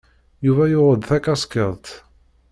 Yuba yuɣ-d takaskiḍt.